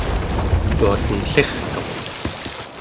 tuaten ellirtuq